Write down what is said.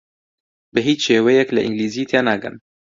بە هیچ شێوەیەک لە ئینگلیزی تێناگەن.